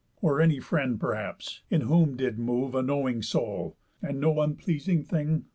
Or any friend perhaps, in whom did move A knowing soul, and no unpleasing thing?